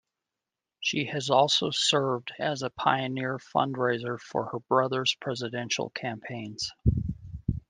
She has also served as a pioneer fundraiser for her brother's presidential campaigns.